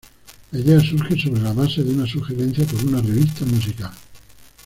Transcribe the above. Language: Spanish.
La idea surge sobre la base de una sugerencia por una revista musical.